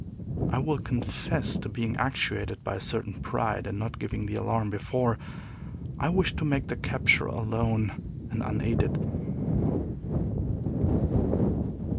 I will confess to being actuated by a certain pride in not giving the alarm before; I wished to make the capture alone and unaided.